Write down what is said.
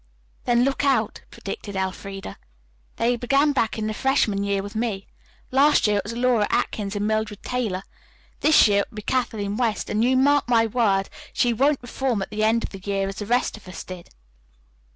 "Then look out," predicted Elfreda. "They began back in the freshman year with me. Last year it was Laura Atkins and Mildred Taylor. This year it will be Kathleen West, and you mark my word, she won't reform at the end of the year as the rest of us did."